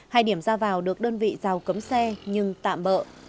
hai điểm ra vào được đơn vị rào cấm xe nhưng tạm bỡ